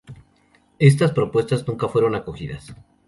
Estas propuestas nunca fueron acogidas.